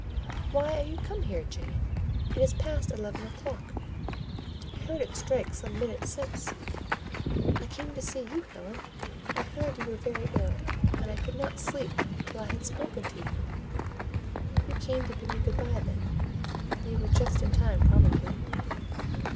"Why are you come here, Jane? It is past eleven o'clock: I heard it strike some minutes since." "I came to see you, Helen: I heard you were very ill, and I could not sleep till I had spoken to you." "You came to bid me good bye, then: you are just in time probably."